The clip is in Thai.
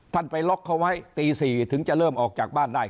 ไปล็อกเขาไว้ตี๔ถึงจะเริ่มออกจากบ้านได้